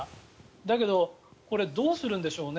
だけど、どうするんでしょうね。